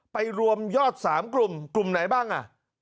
ไปรวมยอด๓กลุ่มกลุ่มไหนบ้างอ่ะ